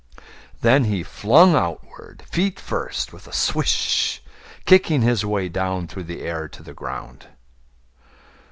Then he flung outward, feet first, with a swish, Kicking his way down through the air to the ground.